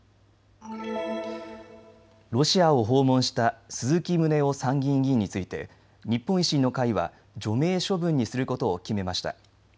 ロシアを訪問した鈴木宗男参議院議員について日本維新の会は除名処分にすることを決めました。